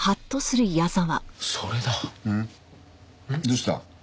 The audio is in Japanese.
どうした？